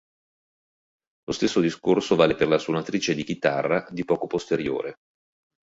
Lo stesso discorso vale per la "Suonatrice di chitarra", di poco posteriore.